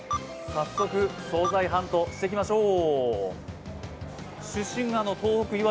早速、総菜ハントしていきましょう。